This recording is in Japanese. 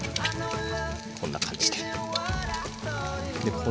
こんな感じで。